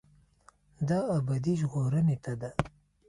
دا ابدي ژغورنې ته ده.